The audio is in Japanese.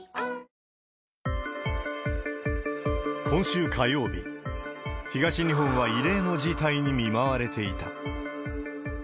今週火曜日、東日本は異例の事態に見舞われていた。